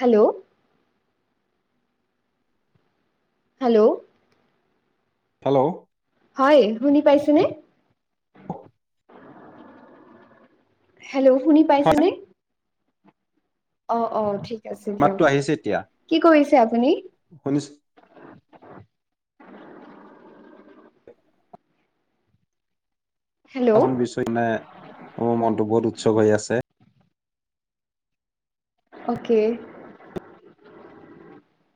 Hello. Hello. Hello. হয় শুনি পাইছেনে? হেলো শুনি হয় পাইছেনে? অ', অ', ঠি মাতটো আহিছে তিয়া, আপুনি শুনিছ [unintelligible] হেল্ল' মোৰ মনতো বহুত উৎসক হৈ আছে। Okay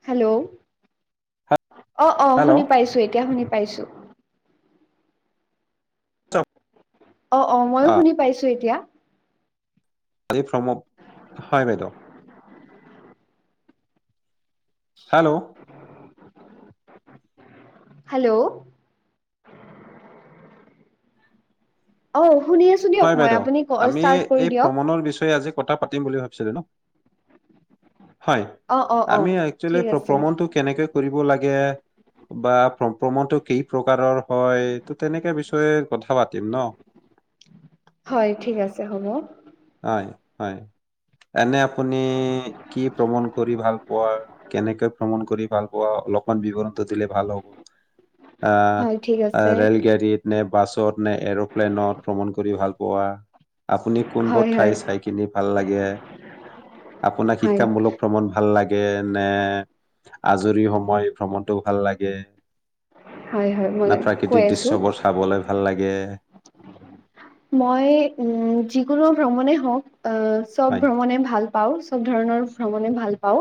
hello. অ', অ', শুনি পাইছোঁ, এতিয়া শুনি পাইছোঁ। অ', অ', ময়ো শুনি পাইছোঁ এতিয়া। আজি ফ্ৰম, হয় বাইদেউ। হেলো। হেলো। অ', শুনি আছ হয় বাইদেউ, আমি এই প্ৰমণৰ বিষয়ে আজি কতা পাতিম বুলি ভাবিছিলোঁ ন'? হয়, অ অ অ আমি একচলি ঠিক আছে প্ৰ-প্ৰমণটো কেনেকে কৰিব লাগে বা প্ৰ-প্ৰমণটো কেই প্ৰকাৰৰ। হয়। টো তেনেকে বিষয়ে কথা পাতিম ন? হয়। ঠিক আছে হ'ব। হয় হয়। এনে আপুনি কি ভ্ৰমণ কৰি ভাল পোৱা? কেনেকৈ ভ্ৰমণ কৰি ভাল পোৱা? অলপমান বিৱৰণটো দিলে ভাল হ'ব। আ হয় ঠিক আ আছে ৰেলগাড়ীত। নে বাছত, নে এৰোপ্লেনত ভ্ৰমণ কৰি ভাল পোৱা? আপুনি কোনব হয় হয় চাই কিনি ভাল লাগে। আপোনাক হয় শিক্ষামূলক ভ্ৰমণ ভাল লাগে নে আজৰি সময় ভ্ৰমণটো ভাল লাগে? হয় হয় মই না কৈ প্ৰাকৃতিক আছো দৃশ্যবোৰ চাবলে ভাল লাগে? মই উম যিকোনো ভ্ৰমণে হওঁক। আহ চব হয়, ভ্ৰমণে ভাল পাওঁ। চব ধৰণৰ ভ্ৰমণে ভাল পাওঁ।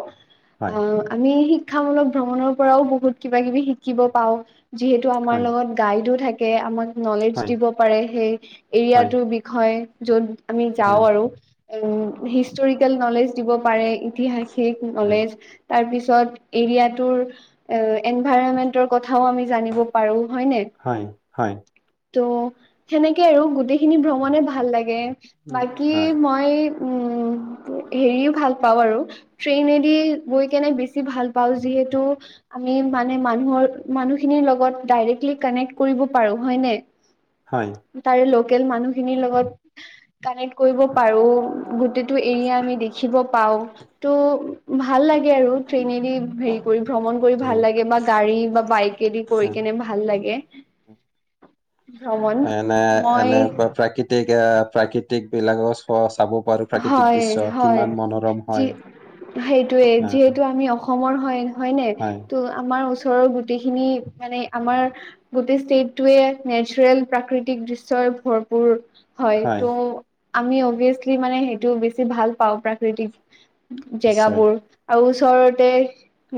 অ হয়, আমি শি শিক্ষামূলক ভ্ৰমণৰ পৰাও বহুত কিবা কিবি শিকিব পাও। যিহেতু আমাৰ হয়, লগত গাইডো থাকে। আমাক নলেজ হয়, হয়, দিব পাৰে, সেই হয়, এৰিয়াটোৰ বিষয়ে য'ত আমি যাওঁ হয়, আৰু। উম, হিষ্টৰিকেল নলেজ দিব পাৰে। তিহাসিক হয়, নলেজ। তাৰ পিছত এৰিয়াটোৰ এ এনভাইৰনমেন্টৰ কথাও আমি জানিব পাৰো। হয় নে? হয়, হয়, ত' সেনেকে আৰু গো গোটেইখিনি ভ্ৰমণে ভাল লাগে। বাকী মই উম। হেৰিও ভাল পাওঁ আৰু ট্ৰেইনেদি গৈ কেনে বেছি ভাল পাওঁ। যিহেতু আমি মানে মানুহৰ মানুহখিনিৰ লগত ডাইৰেক্টলি কানেক্ট কৰিব পাৰো। হয় নে? [inaudible] হয়। তাৰে লোকেল মানুহখিনিৰ লগত কানেক্ট কৰিব পাৰো। গোটে টো এৰিয়া আমি দেখিব পাওঁ। ত' ভাল লাগে আৰু ট্ৰেইনেদি হেৰি কৰি ভ্ৰমণ কৰি ভাল লাগে বা গাড়ী বা বাইকেদি কৰি হয়। কেনে ভাল লাগে ভ্ৰমণ। এনে মই এনেকুৱা প্ৰাকৃতিক এ প্ৰাকৃতিক বিলাকৰ চ চাব পাৰো প্ৰাকৃতিক হয় দৃশ্য হয়। কিমান মনোৰম যি হয় সেইটোৱে, যিহেতু আমি অস অসমৰ হয়, হয়নে? হয় ত' আমাৰ ওচৰৰ গোটেইখিনি মানে আমাৰ গোটেই ষ্টেটটোৱে নেচৰেল প্ৰাকৃতিক দৃশ্যই ভৰপূৰ। হয়। ত' আমি অবিয়েচলি মানে সেইটো বেছি ভাল পাওঁ প্ৰাকৃতিক নিশ্চয় জেগাবোৰ। আও ওচৰতে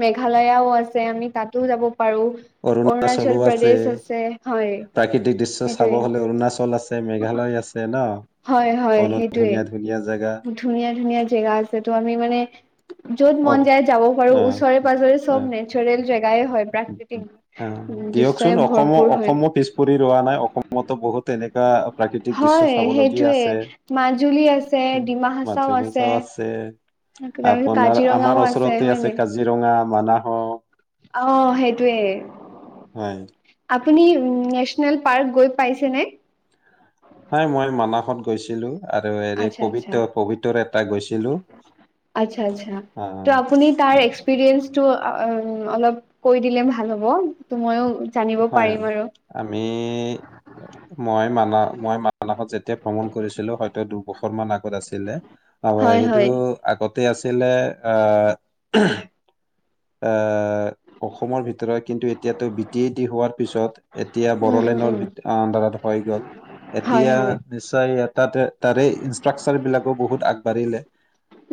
মেঘালয়াও আছে। আমি তাতো যাব পাৰো। অৰুণাচলো অৰুণাচল আছে প্ৰদেশ আছে, হয়। প্ৰাকৃতিক দৃশ্য চাব সেইটোৱে হলে অৰুণাচল আছে মেঘালয় আছে ন? হয় হয় ব--ত সেইটোৱে ধুনীয়া ধু ধুনীয়া জাগা। ধুনীয়া ধুনীয়া জেগা আছে তো। আমি মানে য'ত অ মন যায় যাব পাৰো। অ ওচৰে পাজৰে চব নেচাৰেল জেগাই হয়। প্ৰাকৃতিক আ। দৃশ্যই দিয়কচোন অসম ভৰপূৰ হয় অসমো পিছ পৰি ৰোৱা নাই। অসমতো বহুত তেনেকুৱা প্ৰাকৃতিক দৃশ্য হয় চাবলগীয়া সেইটোয়ে আছে। মাজুলী আছে ডিমা হাচাও [unintelligible] আছে। তাৰপিছত আপোনাৰ আমাৰ কাজিৰঙাও ওচৰতে হয় আছে কাজি কাজিৰঙা, মানাহ হও অহ, সেইটোৱে। হয়। আপুনি নেচনেল পাৰ্ক গৈ পাইছে নে? হই মই মানাহত গৈছিলো আৰু হেৰি আচ্ছা আচ্ছা পবিত পবিতৰাত ও গৈছিলো আচ্ছা আচ্ছা তো আপুনি তাৰ এক্সপিৰিয়েঞ্চটো অলপ কৈ দিলে ভাল হ'ব ত' ময়ো জানিব হয়। পাৰিম আৰু আমি মই মানাহ মই মানাহত যেতিয়া ভ্ৰমণ কৰিছিলো হয়তো দুবছৰ মান আগত আছিলে অ হয় সেইটো হয় আগতে আছিলে আহ আহ অসমৰ ভিতৰত কিন্তু এতিয়াতো বি টি এ ডি হোৱাৰ পিছত এতিয়া উম উম বড়োলেণ্ডৰ উম ভিত আণ্ডাৰত হৈ গ'ল হয় এতিয়া হয় নিশ্চয় তাতে তাতে ইনষ্ট্ৰাকচাৰ বিলাকো বহুত আগবাঢ়িলে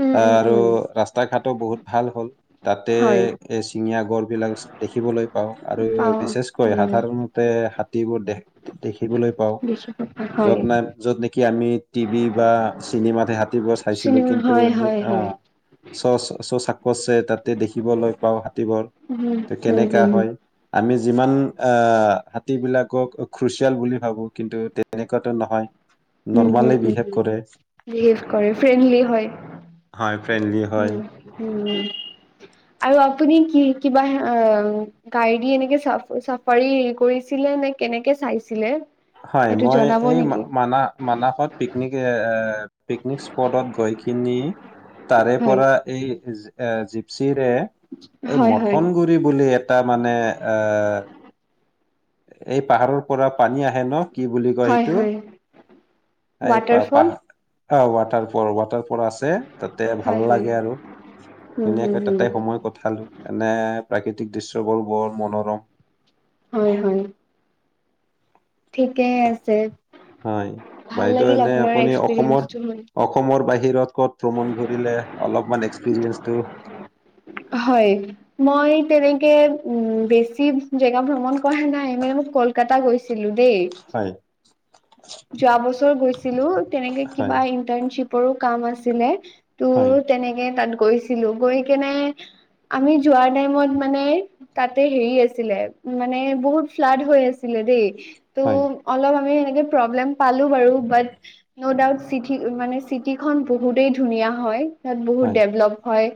উম উম আহ আৰু উম ৰাস্তা ঘাটো বহুত ভাল হ'ল তাতে হয় এশিঙীয়া গড় বিলাক দেখিবলৈ পাওঁ আৰু পাওঁ বিশেষকৈ উম সাধাৰণ তে হাতীবোৰ দে দেখিবলৈ পাওঁ বেছি কথা হয় যত নাই যত নেকি আমি টিভি বা চিনেমাত হে হাতীবোৰ চাইছিলো চিনেমা কিন্তু হয় হয় অ হয় চ চ চাকছে তাতে দেখিবলৈ পাও হাতীবোৰ উম ত হম কেনেকুৱা হম হম হয় আমি যিমান অ হাতীবিলাকক খুচিয়াল বুলি ভাবো কিন্তু তেনেকুৱাটো নহয় উম নৰ্মালি বিহেভ কৰে বিহেৱ কৰে ফ্ৰেণ্ডলি হয় হয় ফ্ৰেণ্ডলি হয় উম উম আৰু আপুনি কি কিবা অ গাড়ী দি এনেকে চাফ চাফাৰী হেৰি কৰিছিলে নে কেনেকে চাইছিলে হয় সেইটো মই জনাব এই নেকি মানা মানাসত পিকনিক এ পিকনিক স্পটত গৈকিনি তাৰে হয় পৰা এই এ জিপচিৰে এই হয় হয় মথন গুৰি বুলি এটা মানে এই পাহাৰৰ পৰা পানী আহে ন কি বুলি কয় হয় সেইটো হয় এই প ৱাটাৰফল পাহ অ ৱাটাৰ পৰাটাৰ আছে তাতে ভাল হয় হয় লাগে আৰু উম হম ধুনীয়াকে হম তাতে সময় কঠালো এনে প্ৰাকৃতিক দৃশ্যবোৰ বৰ মনোৰম হয় হয় ঠিকেই আছে হয় ভাল বাইদেউ লাগিল এনে আপোনাৰ আপুনি অসমৰ এক্সপিৰিয়েঞ্চটো শুনি। অসমৰ বাহিৰত ক'ত ভ্ৰমণ ঘূৰিলে অলপমান এক্সপিৰিয়েন্ঞ্চটো হয় মই তেনেকে উম বেছি জেগা ভ্ৰমণ কৰা নাই মানে মোক কলকাতা গৈছি লো দেই যোৱা বছৰ গৈছিল ছিলো তেনেকে কিবা ইন্টাৰণশিপৰো কাম আছিলে হয় ত' তেনেকে তাত গৈছিলো গৈ কেনে আমি যোৱা টাইমত মানে তাতে হেৰি আছিলে মানে বহুত ফ্লাড হৈ আছিলে দেই ত' অলপ আমি এনেকে প্ৰব্লেম পালো বাৰু বাত ন দাউত মানে চিটি খন বহুতেই ধুনীয়া হয় তাত বহুত ডেভলপ হয়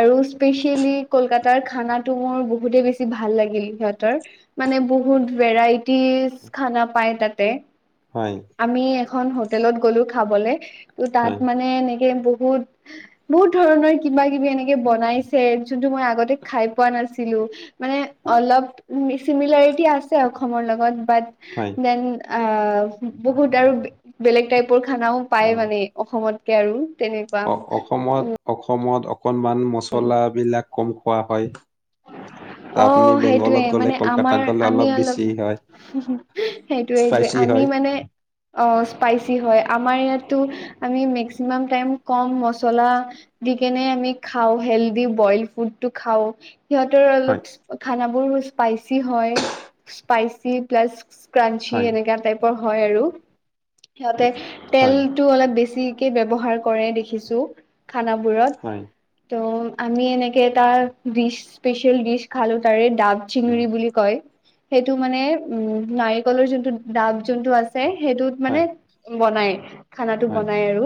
আৰু স্পেচিয়েলি কলকাতাৰ খানাটো মোৰ বহুতেই বেছি ভাল লাগিল সিহঁতৰ মানে বহুত ভেৰাইটিজ খানা পায় তাতে হয় আমি এখন হোটেলত গ'লো খাবলে ত' তাত মানে এনেকে বহুত বহুত ধৰণৰ কিবা কিবি এনেকে বনাইছে যোনটো মই আগতে খাই পোৱা নাছিলো মানে অলপ মি চিমিলাৰিটি আছে অসমৰ লগত বাট দেন আহ বহুত আৰু বেলেগ টাইপৰ খানাও পায় মানে অসমতকে আৰু তেনেকুৱা অসমত অসমত অকণমান মছলাবিলাক কম খোৱা হয়। তা আপুনি অঁ সেইটোৱে বেংগলত গ'লে মানে কলকাতাত আমাৰ গ'লে আমি অলপ বেছি হয়, সেইটোৱে সেইটোৱে স্পাইচি আমি হয়। মানে অ স্পাইচি হয় আমাৰ ইয়াতো আমি মেক্সিমাম টাইম কম মচলা দি কেনে আমি খাওঁ হেল্দি বইল ফুডটো খাওঁ। সিহঁতৰো হয়, অলপ খানাবোৰ স্পাইচি হয় স্পাইচি প্লাছ ক্ৰাঞ্চি হয়, এনেকা টাইপৰ হয় আৰু সিহঁতে উম, তেল হয়, টো অলপ বেছিকে ব্যৱহাৰ কৰে দেখিছো হয়, খানাবোৰত ত' আমি এনেকে এটা ডিছ স্পেচিয়েল ডিছ খালো তাৰে ডাব উম, জিঙৰি বুলি কয়, সেইটো মানে উম নাৰিকলৰ যোনটো ডাব যোনটো আছে সেইটো মানে হয়, বনাই খানাটো হয়। বনাই আৰু।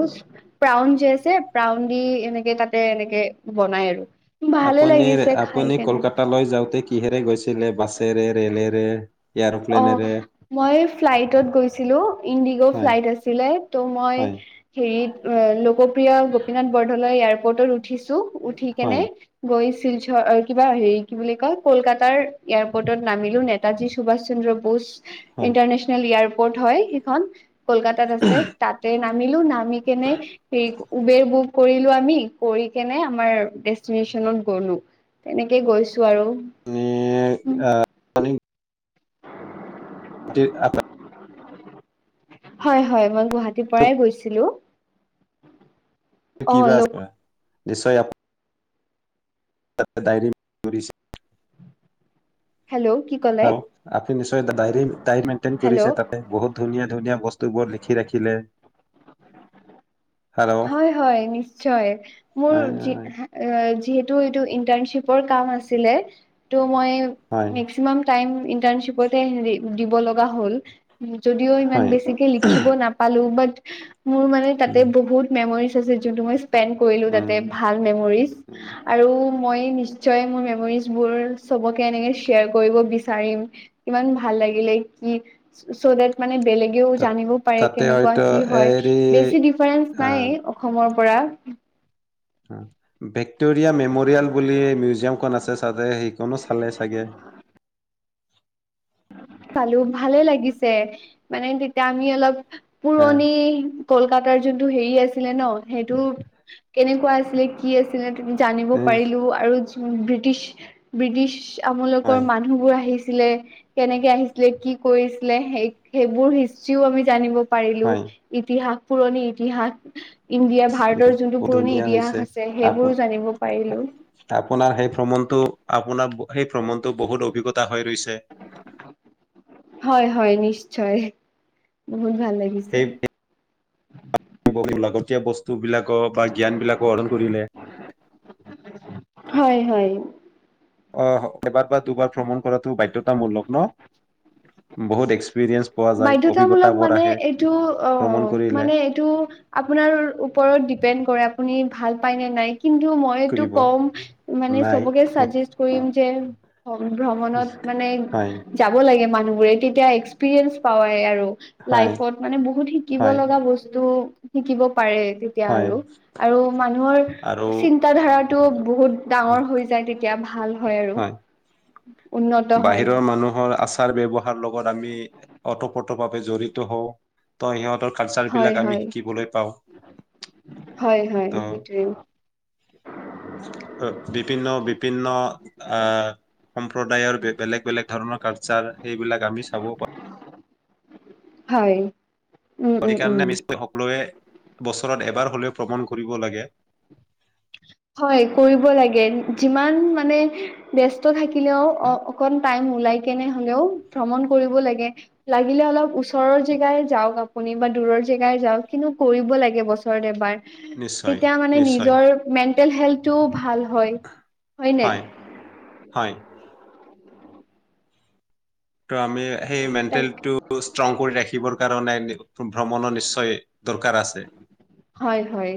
প্ৰাউন যে আছে প্ৰাউন দি এনেকে তাতে এনেকে বনাই আৰু ভালে আপুনি লাগিছে খাই আপুনি কেনে। কলকাতালৈ যাওঁতে কিহেৰে গৈছিলে বাছেৰে ৰেলেৰে অ' এয়াৰপ্লেনেৰে? মই ফ্লাইটত গৈছিলো ইণ্ডিগ' হয়, ফ্লাইট আছিলে ত মই হয়, হেৰিত লোকপ্ৰিয় গোপীনাথ বৰদলৈ এয়াৰপৰ্টত উঠিছো উঠি কেনে হয়, গৈছিল কিবা হেৰি কি বুলি কয় কলকাতাৰ এয়াৰপৰ্টত নামিলো নেতাজী সুভাষ চন্দ্ৰ বস হয়। ইণ্টাৰনেচনেল এয়াৰপৰ্ট হয় সেইখন কলকাতাত আছে তা তে নামিলো নামি কেনে সেই উবেৰ বুক কৰিলো আমি কৰি কেনে আমাৰ ডেষ্টিনেশচনত গলো। তেনেকে গৈছো আৰু। ই আহ [unintelligible] হয় হয়, মই গুৱাহাটীৰ পৰাই গৈছিলো। অ' কিবা লোক আছে নিশ্চয় আ [unintelligible] হেল্ল'! কি ক'লে আপনি নিশ্চয় ডাইৰী ডাইৰী মেইন্টেইন হেল্ল' কৰিছে তাত? বহুত ধুনীয়া ধুনীয়া বস্তু বোৰ লিখি ৰাখিলে হেল্ল' হয় হয় নিশ্চয় মোৰ হয় অ যিহেতু এইটো ইণ্টাৰ্ণচিপৰ কাম আছিলেটো মই হয় মে ক্সিমাম টাইম ইণ্টাৰ্ণচিপতে দিব লগা হ'ল। যদিও ইমান হয় বেছিকে লিখিব নাপালো বাট মোৰ মানে তাতে উম বহুত মেমৰিজ আছে যোনটো মই স্পেড কৰিলো উম তাতে ভাল মেমৰিজ। উম। আৰু মই নিশ্চয় মোৰ মেমৰিজ বোৰ চবকে এনেকে শ্বেয়াৰ কৰিব বিচাৰিম ইমান ভাল লাগিলে কি চ' দেট মানে বেলে গো তাত জানিব পাৰে তাতে কেনেকুৱা হয়তো কি হয় হেৰি বেছি ডিফাৰেন্ঞ্চ আহ নাই অসমৰ পৰা ভিক্টৰিয়া মেমৰিয়েল বুলি মিউজিয়ামখন আছে চাগে সেইখনো চালে চাগে? চালো ভালে লাগিছে মানে তেতিয়া আমি অলপ হ পুৰণি কলকাতাৰ যোনটো হেৰি আছিলে ন সেইটো কেনেকুৱা আছিলে কি আছিলে জানিব উম পাৰিলো আৰু ব্ৰিটিছ ব্ৰিটিছ আপোনালোকৰ হয় মানুহ বোৰ আহিছিলে কেনেকে আহিছিলে কি কৰিছিলে সেই সেইবোৰ আমি জানিব পাৰিলো হয় ইতিহাস পুৰণি ইতিহাস এতিয়া নিশ্চয়। ভাৰতৰ যোনটো বহুত পুৰণি ধুনীয়া হৈছে ইতিহাস আছে আপ সেইবোৰো জানিব পাৰিলোঁ। আপোনাৰ সেই ভ্ৰমণতটো আপোনাৰ সেই ভ্ৰমণতটো বহুত অভিজ্ঞতা হৈ ৰৈছে। হয়, হয় নিশ্চয় বহুত ভাল লাগিল। [inaudible] লাগতীয় বস্তু বিলাকো বা জ্ঞান বিলাকো আহৰণ কৰিলে। হয়, হয়। অ', এবাৰ বা দুবাৰ ভ্ৰমণ কৰাটো বাধ্যতামূলক, ন বহুত এক্সপিৰিয়েঞ্চ পোৱা যায় বাধ্যতামূলক অভিজ্ঞতাবোৰ মানে আহে এইটো ভ্ৰমণ অ', কৰিলে মানে টো আপোনাৰ ওপৰত দিপেন কৰে আপুনি ভাল পায় নে নাই টো কৰিব কম মানে নাই চবকে চাজেষ্ট কৰিম যে। ভ্ৰমণত মানে হয় যাব লাগে মানুহ বোৰে তেতিয়া এক্সপিৰিয়েঞ্চ পাৱাই আৰু। হয় লাইফত মানে বহুত শিকিব হয় লগা বস্তু শিকিব পাৰে। এতিয়া হয় আৰু আৰু মানুহৰ আৰু চিন্ত ধাৰাটো বহুত ডাঙৰ হৈ যায় তেতিয়া ভাল হয় আৰু উন্নত হয়। বাহিৰৰ মানুহৰ আচাৰ ব্যয়ৱহাৰ লগত আমি অতপোতভাৱে জড়িত হওঁ। তো সিহঁতৰ কালচাৰ হয় বিলাক আমি হয় শিকিবলৈ পাওঁ। হয়, হয় ত সেইটোৱে। বিভিন্ন বিভিন্ন আহ সম্প্ৰদায়ৰ বেলেগ, বেলেগ ধৰণৰ কালচাৰ সেইবিলাক আমি চাব পাৰো। হয়। উম উম সেইকাৰণে উম আমি সকলোৱে বছৰত এবাৰ হলেও ভ্ৰমণ কৰিব লাগে। হয়, কৰিব লাগে যিমান মানে ব্যস্ত থাকে। কিলেও উম, অ', অক টাইম উলাই কেনে হলেও ভ্ৰমণ কৰিব লাগে লাগিলে অলপ ওচৰৰ জেগাই যাওঁক আপুনি বা দূৰৰ জেগাই যাওক কিন্তু কৰিব লাগে বছৰত এবাৰ নিশ্চয় তেতিয়া মানে নিশ্চয় নিজৰ মেণ্টেল হেল্থটো ভাল হয়, হয়নে। হয় হয়। ত' আমি সেই তাক মেণ্টেলটো ষ্ট্ৰং কৰি ৰাখিবৰ কাৰণে ভ্ৰমণৰ নিশ্চয় দৰকাৰ আছে। হয়, হয়।